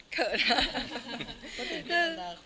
เขินค่ะ